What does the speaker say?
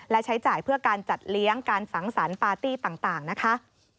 และใช้จ่ายเพื่อการจัดเลี้ยงการสังสรรค์ปาร์ตี้ต่างนะคะ